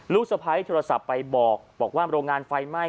สะพ้ายโทรศัพท์ไปบอกบอกว่าโรงงานไฟไหม้